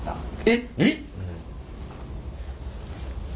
えっ！